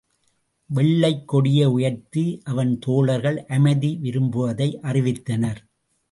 வெள்ளைக் கொடியை உயர்த்தி அவன் தோழர்கள் அமைதி விரும்புவதை அறிவித்தனர்.